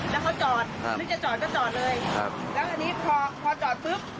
แล้วเขาจอดนึกจะจอดก็จอดเลยครับแล้วอันนี้พอพอจอดปุ๊บ